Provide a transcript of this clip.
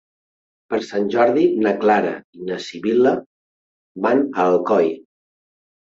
Per Sant Jordi na Clara i na Sibil·la van a Alcoi.